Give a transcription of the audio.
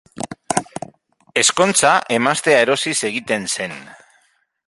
Ezkontza emaztea erosiz egiten zen.